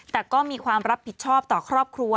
แต่ก็มีความรับผิดชอบต่อครอบครัว